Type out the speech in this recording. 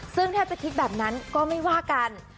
ซึ่งแทบจะคิดแบบนั้นก็ไม่ว่ากัน